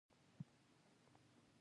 خالد راته په موټر کې وویل.